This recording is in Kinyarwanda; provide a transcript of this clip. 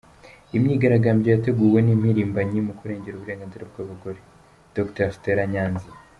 Iyi myigaragambyo yateguwe n’impirimbanyi mu kurengera uburenganzira bw’abagore, Dr Stella Nyanzi.